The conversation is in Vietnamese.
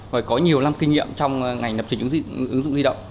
và có nhiều năm kinh nghiệm trong ngành lập trình ứng dụng di động